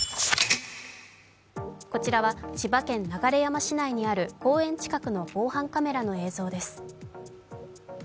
こちらは千葉県流山市内にある公園近くの防犯カメラの映像です。